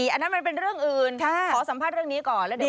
อันนั้นมันเป็นเรื่องอื่นขอสัมภาษณ์เรื่องนี้ก่อนแล้วดี